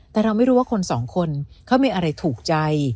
แต่เราไม่รู้ว่าคนสองคนเขามีอะไรถูกใจ